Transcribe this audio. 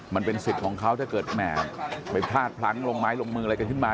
มันเป็นสิทธิ์ของเขาถ้าเกิดแหมไปพลาดพลั้งลงไม้ลงมืออะไรกันขึ้นมา